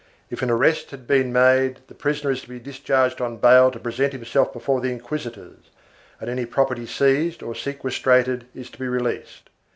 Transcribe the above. If an arrest has been made the prisoner is to be discharged on bail to present himself before the inquisitors and any property seized or sequestrated is to be released.